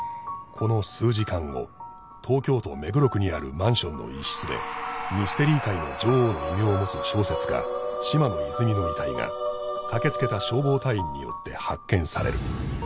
この数時間後東京都目黒区にあるマンションの一室でミステリー界の女王の異名を持つ小説家嶋野泉水の遺体が駆けつけた消防隊員によって発見される